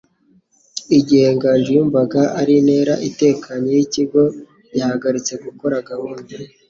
Igihe Nganji yumvaga ari intera itekanye yikigo, bahagaritse gukora gahunda.